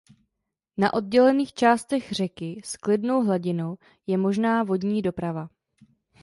Na oddělených částech řeky s klidnou hladinou je možná vodní doprava.